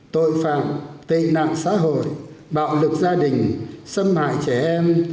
tội phạm tệ nạn xã hội bạo lực gia đình xâm hại trẻ em